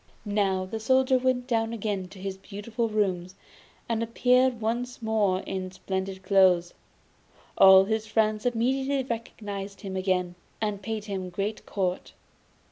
Now, the Soldier went down again to his beautiful rooms, and appeared once more in splendid clothes. All his friends immediately recognised him again, and paid him great court.